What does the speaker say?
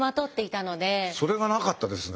それがなかったですね